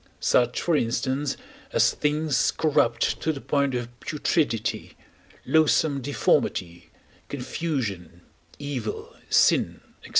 such, for instance, as things corrupt to the point of putridity, loathsome deformity, confusion, evil, sin, &c.